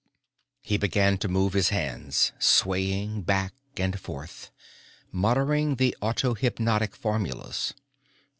He began to move his hands, swaying back and forth, muttering the autohypnotic formulas.